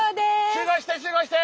集合して集合して！